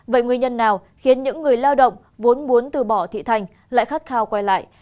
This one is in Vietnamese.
vậy nguyên nhân nào khiến những người lao động vốn muốn từ bỏ thị thành lại khát khao quay lại